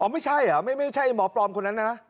ไม่ใช่เหรอไม่ใช่หมอปลอมคนนั้นนะ